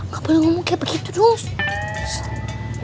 kamu kayak begitu dulu